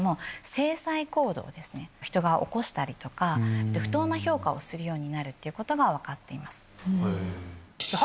人が起こしたりとか不当な評価をするようになるっていうことが分かっています。